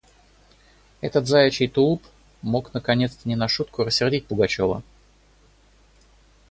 Этот заячий тулуп мог, наконец, не на шутку рассердить Пугачева.